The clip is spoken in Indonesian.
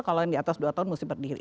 kalau yang di atas dua tahun mesti berdiri